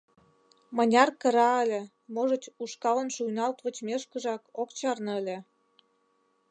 Мыняр кыра ыле, можыч, ушкалын шуйналт вочмешкыжак ок чарне ыле.